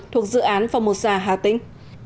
thuộc dự án phong mô sa hà tĩnh